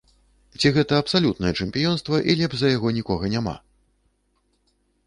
Ці гэта абсалютнае чэмпіёнства і лепш за яго нікога няма?